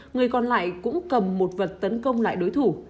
người còn lại cũng cầm một vật tấn công lại đối thủ